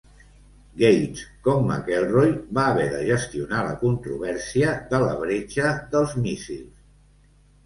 Gates, com McElroy, va haver de gestionar la controvèrsia de la "bretxa dels míssils".